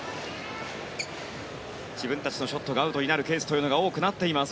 自分たちのショットがアウトになるケースが多くなっています